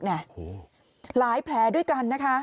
หลายแผลด้วยกันนะคะ